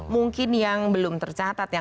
mungkin yang belum tercatat ya